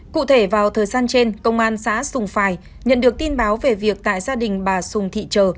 cụ thể vào thời gian trên công an xã sùng phài nhận được tin báo về việc tại gia đình bà sùng thị trờ